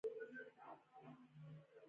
هغوی د ځواک مخې ته چوپ پاتې کېږي.